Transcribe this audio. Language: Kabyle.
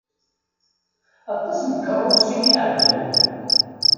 Aṭas n tkeṛṛusin i ɛeddan.